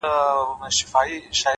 هر منزل نوی درس درکوي,